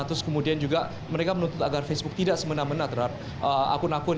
terus kemudian juga mereka menuntut agar facebook tidak semena mena terhadap akun akun